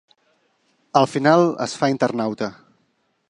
Al final, es fa internauta.